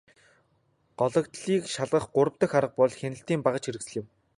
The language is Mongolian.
Гологдлыг шалгах гурав дахь арга бол хяналтын багажхэрэгслэл юм.